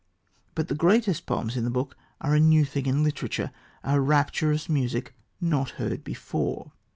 But the greatest poems in the book are a new thing in literature, a "rapturous music" not heard before.